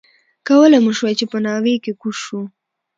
کولای مو شوای چې په ناوې کې کوز شو.